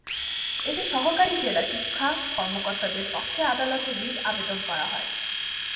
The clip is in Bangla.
এতে সহকারী জেলা শিক্ষা কর্মকর্তাদের পক্ষে আদালতে রিট আবেদন করা হয়।